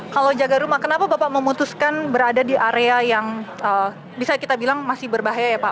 kalau jaga rumah kenapa bapak memutuskan berada di area yang bisa kita bilang masih berbahaya ya pak